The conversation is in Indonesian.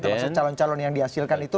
maksudnya calon calon yang dihasilkan itu